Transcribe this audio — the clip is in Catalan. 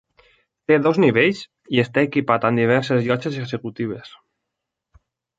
Té dos nivells i està equipat amb diverses llotges executives.